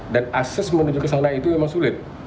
dan akses menuju ke sana itu memang sulit